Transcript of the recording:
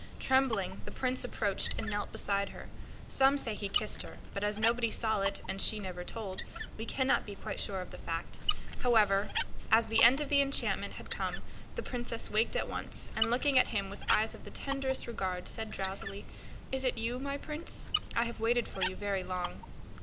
Trembling, the Prince approached and knelt beside her. Some say he kissed her; but as nobody saw it, and she never told, we cannot be quite sure of the fact. However, as the end of the enchantment had come, the Princess waked at once, and, looking at him with eyes of the tenderest regard, said, sleepily: "Is it you, my Prince? I have waited for you very long."